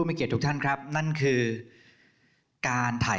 ทอดความรู้สึกในหลวงในความทรงจำ